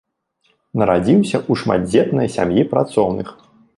Нарадзіўся ў шматдзетнай сям'і працоўных.